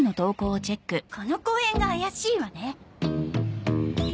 この公園が怪しいわね。